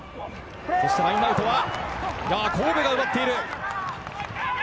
そして、ラインアウトは神戸が奪っている。